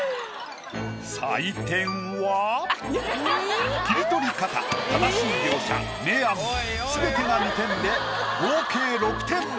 採点は切り取り方正しい描写明暗全てが２点で合計６点。